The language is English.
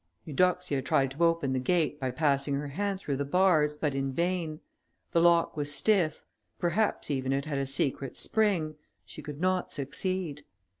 Eudoxia tried to open the gate, by passing her hand through the bars, but in vain; the lock was stiff; perhaps even it had a secret spring; she could not succeed.